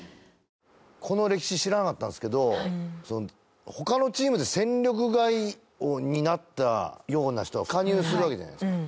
この歴史知らなかったんですけど他のチームで戦力外になったような人が加入するわけじゃないですか。